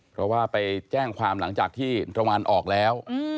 เพราะว่าไปแจ้งความหลังจากที่รางวัลออกแล้ว